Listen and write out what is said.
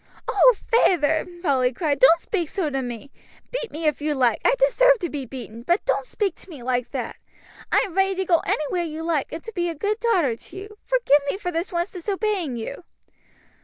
"Oh, feyther!" Polly cried, "don't speak so to me. Beat me if you like, I deserve to be beaten, but don't speak to me like that. I am ready to go anywhere you like, and to be a good daughter to you; forgive me for this once disobeying you."